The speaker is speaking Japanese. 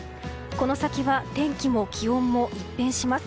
この先は天気も気温も一変します。